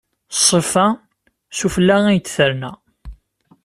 Ṣṣifa, s ufella ay d-terna.